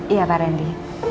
iya pak randy